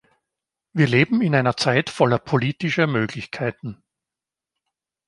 Wir leben in einer Zeit voller politischer Möglichkeiten.